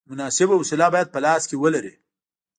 مناسبه وسیله باید په لاس کې ولرې.